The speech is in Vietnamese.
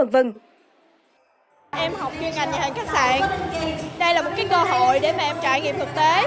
em học kia ngành nhà hàng khách sạn đây là một cơ hội để em trải nghiệm thực tế